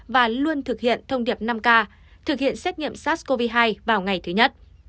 và luôn thực hiện thông điệp năm k thực hiện xét nghiệm sars cov hai vào ngày thứ nhất